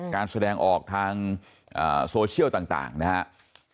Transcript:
การแสดงออกทางโซเชียลต่างนะครับ